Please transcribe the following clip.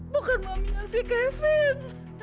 bukan mami nya si kevin